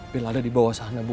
bella ada di bawah sana bu